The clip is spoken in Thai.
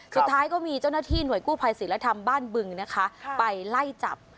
สุดท้ายก็มีเจ้าหน้าที่หน่วยกู้ภัยศิลธรรมบ้านบึงนะคะไปไล่จับ